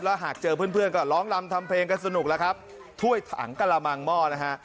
หากเจอเพื่อนเพื่อนก็ร้องลำทำเพลงกันสนุกแล้วครับถ้วยถังกระมังหม้อนะฮะ